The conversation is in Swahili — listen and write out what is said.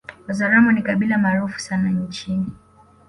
Wazaramo ni kabila maarufu sana nchini